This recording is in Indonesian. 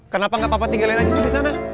kenapa gak papa tinggalin aja disana